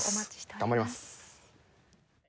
頑張ります。